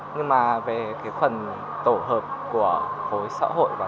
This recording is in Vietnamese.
nhưng mà về cái phần tổ hợp của khối xã hội